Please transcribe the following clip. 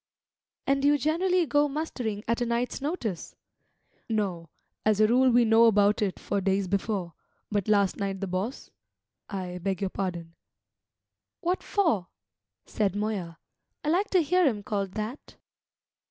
"And do you generally go mustering at a night's notice?" "No, as a rule we know about it for days before; but last night the boss I beg your pardon " "What for?" said Moya. "I like to hear him called that."